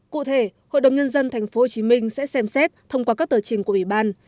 cụ thể hội đồng nhân dân tp hcm sẽ xem xét thông qua các tờ trình của ủy ban